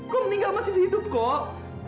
kok meninggal masih hidup kok